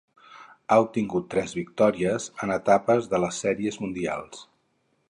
Ha obtingut tres victòries en etapes de les Sèries Mundials.